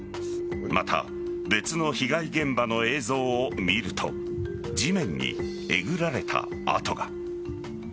また別の被害現場の映像を見ると地面にえぐられた跡が。